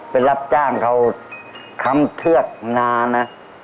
ไปรับจ้างเขาค้ำเทือกนานะ